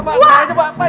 pak pak pak